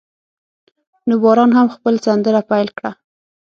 نو باران هم خپل سندره پیل کړه.